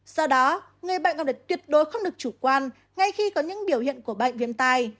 do đó người bệnh không được tuyệt đối không được chủ quan ngay khi có những biểu hiện của bệnh viêm tay